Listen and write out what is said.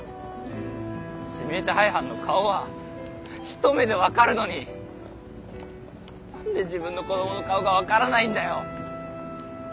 指名手配犯の顔はひと目でわかるのになんで自分の子供の顔がわからないんだよ！